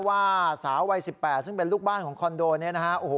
ว่าสาววัย๑๘ซึ่งเป็นลูกบ้านของคอนโดนี้นะฮะโอ้โห